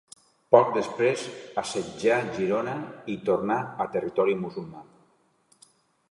Poc després, assetjà Girona i tornà a territori musulmà.